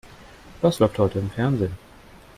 Was läuft heute im Fernsehen?